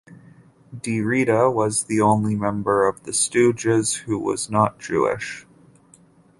DeRita was the only member of the Stooges who was not Jewish.